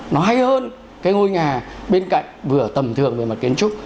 nó hay hơn cái ngôi nhà bên cạnh vừa tầm thường về mặt kiến trúc